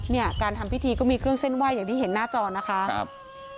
เนี่ยการทำพิธีก็มีเครื่องเส้นไหว้อย่างที่เห็นหน้าจอนะคะครับ